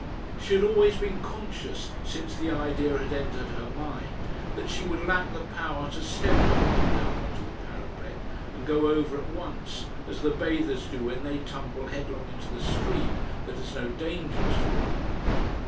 She had always been conscious, since the idea had entered her mind, that she would lack the power to step boldly up on to the parapet and go over at once, as the bathers do when they tumble headlong into the stream that has no dangers for them.